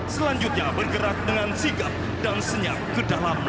selanjutnya bergerak dengan sigap dan senyap ke dalam